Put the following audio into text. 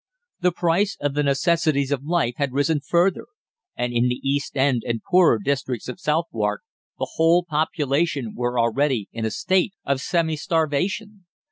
The price of the necessities of life had risen further, and in the East End and poorer districts of Southwark the whole population were already in a state of semi starvation.